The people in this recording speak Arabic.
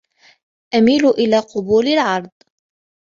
أميل إلى قبول العرض.